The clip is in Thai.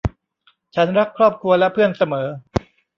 ฉันรักครอบครัวและเพื่อนเสมอ